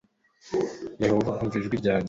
Yehova umva ijwi ryanjye